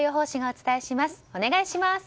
お願いします。